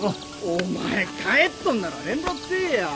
お前帰っとんなら連絡せえや。